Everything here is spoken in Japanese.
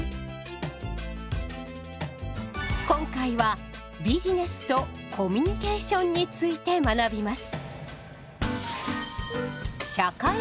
今回は「ビジネスとコミュニケーション」について学びます。